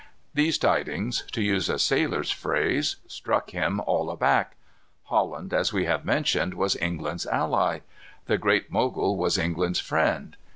These tidings, to use a sailor's phrase, "struck him all aback." Holland, as we have mentioned, was England's ally. The Great Mogul was England's friend.